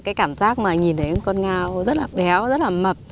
cái cảm giác mà nhìn thấy con ngao rất là béo rất là mập